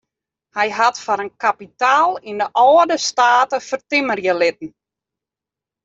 Hy hat foar in kapitaal yn de âlde state fertimmerje litten.